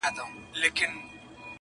خپلوۍ سوې ختمي غريبۍ خبره ورانه سوله,